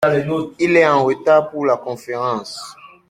Il est en retard pour la conférence.